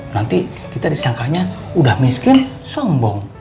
nanti kita disangkanya udah miskin sombong